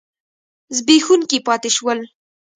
زبېښونکي پاتې شول.